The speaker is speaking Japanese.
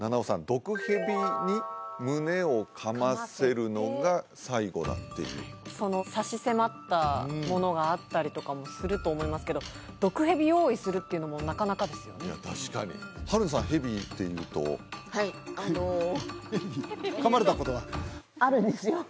毒蛇に胸を噛ませるのが最期だっていう差し迫ったものがあったりとかもすると思いますけど毒蛇用意するっていうのもなかなかですよねいや確かに春菜さん蛇っていうとはいあの噛まれたことは？えっ！？